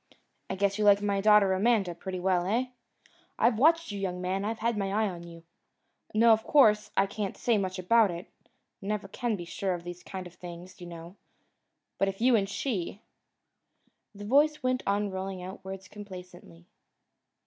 I guess you like my daughter Amanda pretty well. Eh? I've watched you, young man. I've had my eye on you! Now, of course, I can't say much about it never can be sure of these kind of things, you know but if you and she " The voice went on rolling out words complacently.